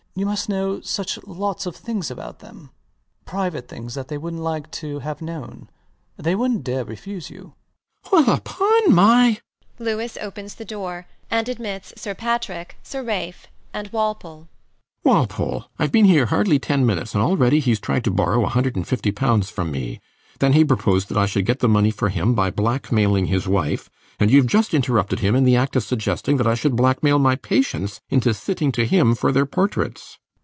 You must know such lots of things about them private things that they wouldnt like to have known. They wouldnt dare to refuse you. RIDGEON [exploding] Well, upon my Louis opens the door, and admits Sir Patrick, Sir Ralph, and Walpole. RIDGEON [proceeding furiously] Walpole: Ive been here hardly ten minutes; and already he's tried to borrow 150 pounds from me. Then he proposed that I should get the money for him by blackmailing his wife; and youve just interrupted him in the act of suggesting that I should blackmail my patients into sitting to him for their portraits.